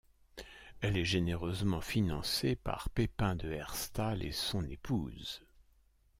Elle est généreusement financées par Pépein de Herstal et son épouse.